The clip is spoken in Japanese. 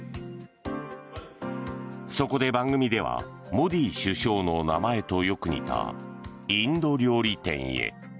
そこで番組ではモディ首相の名前とよく似たインド料理店へ。